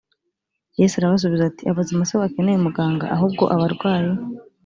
yesu arabasubiza ati “abazima si bo bakeneye umuganga ahubwo abarwayi ”